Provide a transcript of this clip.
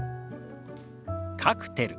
「カクテル」。